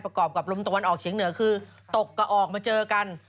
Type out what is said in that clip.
กับลมตะวันออกเฉียงเหนือคือตกก็ออกมาเจอกัน